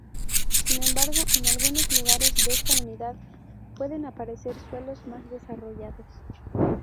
Sin embargo, en algunos lugares de esta unidad pueden aparecer suelos más desarrollados.